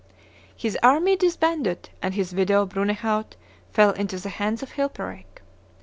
His army disbanded; and his widow, Brunehaut, fell into the hands of Chilperic.